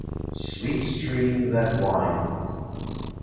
SWEET STREAM, THAT WINDS.